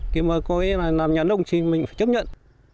khi mà có ý là làm nhà nông thì mình phải chấp nhận